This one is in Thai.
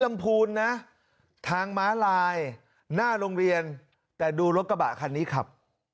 พูนนะทางม้าลายหน้าโรงเรียนแต่ดูรถกระบะคันนี้ครับ